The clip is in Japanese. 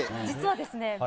実はですね。